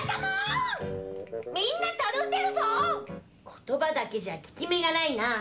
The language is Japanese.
言葉だけじゃ効き目がないな。